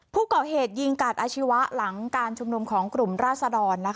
ผู้ก่อเหตุยิงกาดอาชีวะหลังการชุมนุมของกลุ่มราศดร